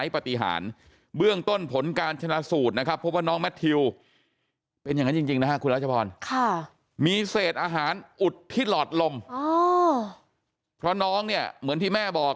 เพราะน้องเนี่ยเหมือนที่แม่บอก